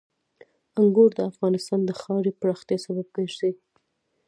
انګور د افغانستان د ښاري پراختیا سبب کېږي.